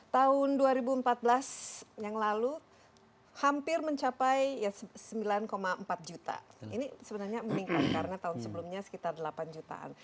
tahun dua ribu empat belas yang lalu hampir mencapai sembilan empat juta ini sebenarnya meningkat karena tahun sebelumnya sekitar delapan jutaan